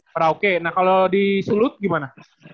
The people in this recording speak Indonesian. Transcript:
para oke nah kalau di sulut gimana